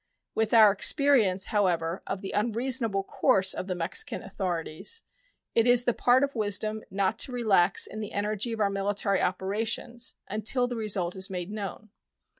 With our experience, however, of the unreasonable course of the Mexican authorities, it is the part of wisdom not to relax in the energy of our military operations until the result is made known.